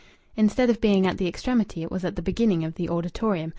Instead of being at the extremity it was at the beginning of the auditorium.